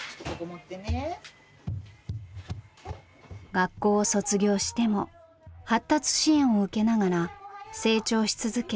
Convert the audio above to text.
学校を卒業しても発達支援を受けながら成長し続け